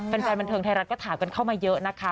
แฟนบันเทิงไทยรัฐก็ถามกันเข้ามาเยอะนะคะ